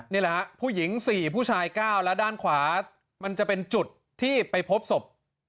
นี่แหละฮะผู้หญิง๔ผู้ชาย๙และด้านขวามันจะเป็นจุดที่ไปพบศพ